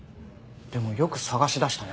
でもよく捜し出したね。